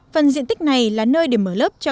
phần diện tích này là nơi để mở lớp cho